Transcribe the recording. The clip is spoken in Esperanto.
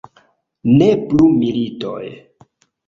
Ne plu militoj!